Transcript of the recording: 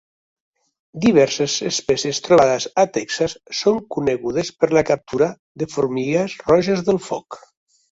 Diverses espècies, trobades a Texas, són conegudes per la captura de formigues roges del foc.